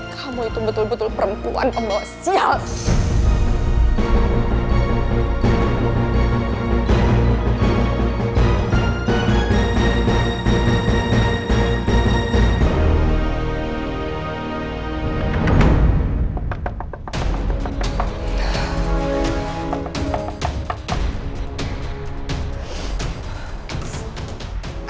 kamu itu betul betul perempuan pembawa siap